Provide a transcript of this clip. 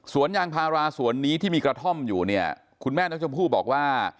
ยางพาราสวนนี้ที่มีกระท่อมอยู่เนี่ยคุณแม่น้องชมพู่บอกว่า